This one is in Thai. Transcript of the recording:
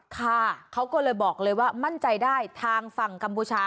ค่ะเขาก็เลยบอกเลยว่ามั่นใจได้ทางฝั่งกัมพูชา